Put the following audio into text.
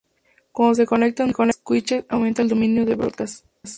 Cuando se conectan dos "switches", aumenta el dominio de "broadcast".